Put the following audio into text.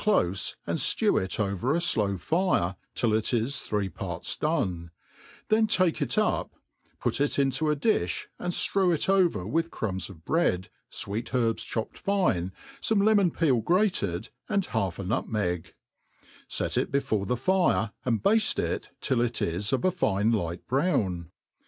clofe, and ftew it over a flow fire, till it is three parts donet then take it up, put it into a dilb, and ftrew it over with criimbg of bread, fweet herbs chopped' fine, fome lemoh peel grated^ and half a nutmeg ; fet it before the fire, and bafte it till it is^ of a fine light browjn.